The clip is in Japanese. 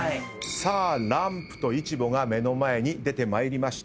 さあランプとイチボが目の前に出てまいりました。